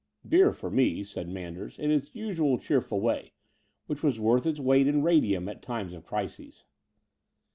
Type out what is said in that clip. "Beer for me," said Manders in his usual cheer ful way, which was worth its weight in radium at times of crises.